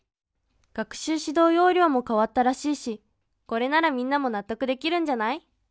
学習指導要領も変わったらしいしこれならみんなも納得できるんじゃない？